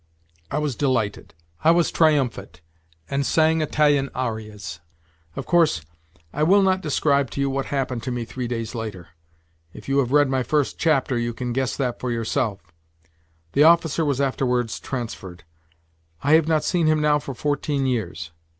I was delighted. I was triumphant and sang Italian arias. Of course, I will not describe to you what happened to me three days later; if you have read my first chapter you can guess that for yourself. The officer was afterwards transferred; I have not seen him now for fourteen years.